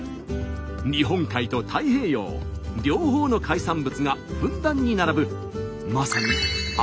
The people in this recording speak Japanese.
日本海と太平洋両方の海産物がふんだんに並ぶ